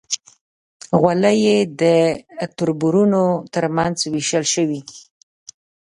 غولی یې د تربرونو تر منځ وېشل شوی.